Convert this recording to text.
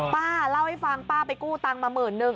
ป้าเล่าให้ฟังป้าไปกู้ตังค์มาหมื่นนึง